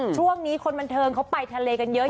ช่วงนี้คนบันเทิงเขาไปทะเลกันเยอะ